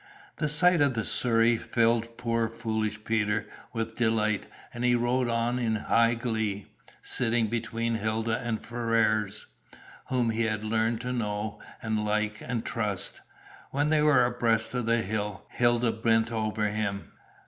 The sight of the surrey filled poor foolish Peter with delight, and he rode on in high glee, sitting between Hilda and Ferrars, whom he had learned to know, and like, and trust. When they were abreast of the hill Hilda bent over him.